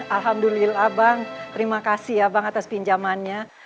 alhamdulillah bang terima kasih ya bang atas pinjamannya